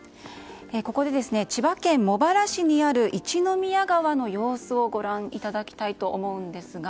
ここで千葉県茂原市にある一宮川の様子をご覧いただきます。